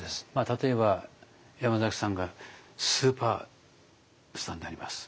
例えば山崎さんがスーパースターになります。